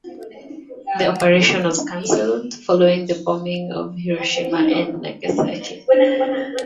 The operation was cancelled following the bombing of Hiroshima and Nagasaki.